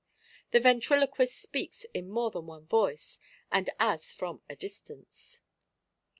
The ventriloquist speaks in more than one voice, and as from a distance.